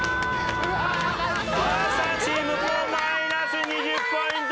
真麻チームもマイナス２０ポイント。